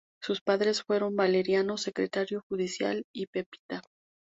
Sus padres fueron Valeriano, secretario judicial, y Pepita.